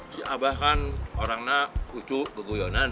si abah kan orangnya lucu beguyonan